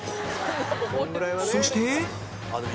そして